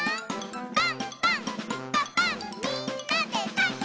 「パンパンんパパンみんなでパン！」